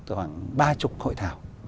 khoảng ba mươi hội thảo